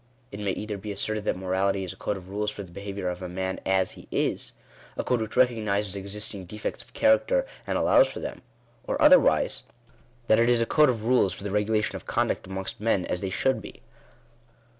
It may either be asserted that morality is a code of rules for the behaviour of man as he is — a code which recognises existing defects of character, and allows for them ; or otherwise that it is a code of rules for the regulation of conduct amongst men as they should be.